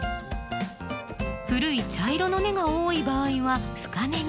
古い茶色の根が多い場合は深めに。